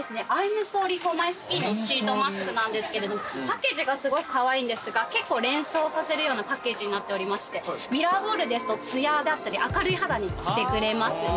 ’ｍＳｏｒｒｙＦｏｒＭｙＳｋｉｎのシートマスクなんですけれどもパッケージがすごいカワイイんですが結構連想させるようなパッケージになっておりましてミラーボールですとつやだったり明るい肌にしてくれますね。